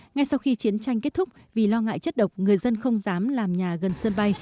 ngay sau khi chiến tranh kết thúc vì lo ngại chất độc người dân không dám làm nhà gần sân bay